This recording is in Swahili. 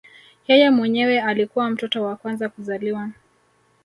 Yeye mwenyewe alikuwa mtoto wa kwanza kuzaliwa